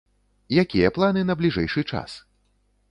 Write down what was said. Якія планы на бліжэйшы час?